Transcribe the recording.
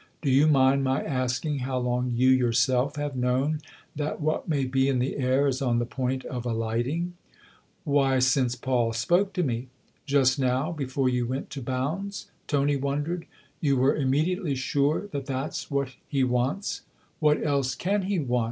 Do you mind my asking how long you yourself have known 168 THE OTHER HOUSE that what may be in the air is on the point of alighting ?"" Why, since Paul spoke to me." " Just now before you went to Bounds ?" Tony wondered. " You were immediately sure that that's what he wants ?"" What else can he want